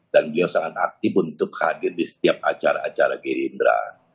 beliau sangat aktif untuk hadir di setiap acara acara gerindra